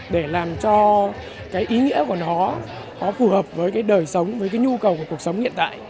để làm cho ý nghĩa của nó phù hợp với đời sống với nhu cầu của cuộc sống hiện tại